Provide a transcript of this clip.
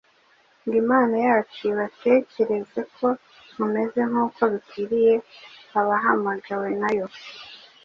ngo Imana yacu ibatekereze ko mumeze nk’uko bikwiriye abahamagawe na Yo,